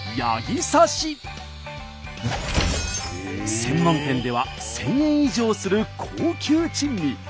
専門店では１，０００円以上する高級珍味。